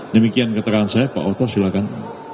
demikian keterangan saya pak oto silakan